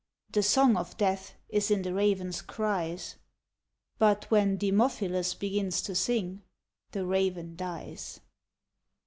The song of death is in the raven's cries : But when Hemophilus begins to sing. The raven dies.